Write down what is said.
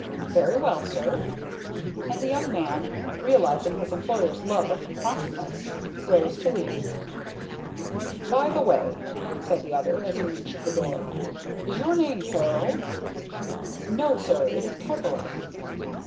"Very well, sir;" and the young man, realizing his employer's love of promptness, rose to leave. "By the way," said the other, as he reached the door, "is your name Peril?" "No, sir; it is Peveril."